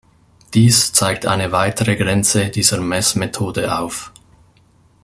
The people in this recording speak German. Dies zeigt eine weitere Grenze dieser Messmethode auf.